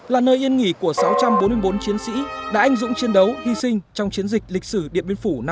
là nơi yên nghỉ của sáu trăm bốn mươi bốn chiến sĩ đã anh dũng chiến đấu hy sinh trong chiến dịch lịch sử điện biên phủ năm một nghìn chín trăm năm mươi bốn